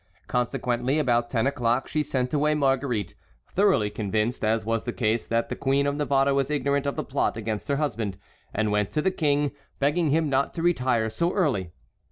Consequently, about ten o'clock she sent away Marguerite, thoroughly convinced, as was the case, that the Queen of Navarre was ignorant of the plot against her husband, and went to the King, begging him not to retire so early.